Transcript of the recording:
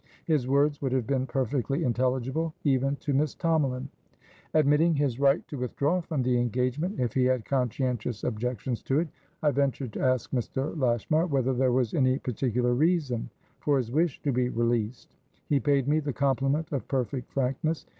His words would have been perfectly intelligibleeven to Miss Tomalin. Admitting his right to withdraw from the engagement if he had conscientious objections to it, I ventured to ask Mr. Lashmar whether there was any particular reason for his wish to be released. He paid me the compliment of perfect frankness.